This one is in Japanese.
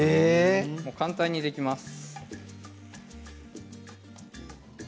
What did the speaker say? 簡単にできます。